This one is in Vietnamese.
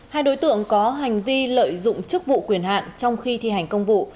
hai đối tượng có hành vi lợi dụng chức vụ quyền hạn trong khi thi hành công vụ